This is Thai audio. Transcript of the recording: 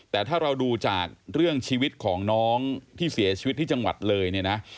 แต่ถ้าเราดูจากเรื่องชีวิตของน้องที่เสียชีวิตที่จังหวัดเลยเนี่ยนะ